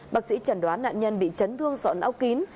bác sĩ chẩn đoán nạn nhân bị chấn thương sọn não kín